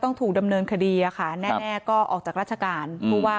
อันนี้ก็กำลังเริ่มในการพัฒนา